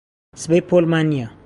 سبەی پۆلمان نییە.